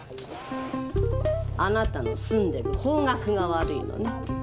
あなたの住んでる方角が悪いのね。